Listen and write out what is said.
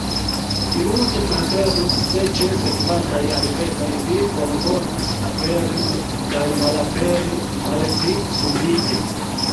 Mi multe preferus, se ĉe sekvantaj alvenoj vi bonvolus aperi kaj malaperi malpli subite.